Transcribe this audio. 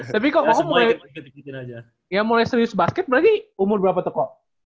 tapi kalau ngomong ya yang mulai serius basket berarti umur berapa tuh kok